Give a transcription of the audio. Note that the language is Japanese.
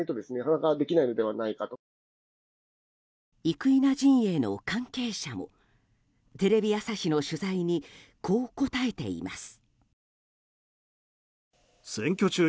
生稲陣営の関係者もテレビ朝日の取材にこう答えています。